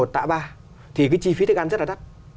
tạ ba thì cái chi phí thức ăn rất là đắt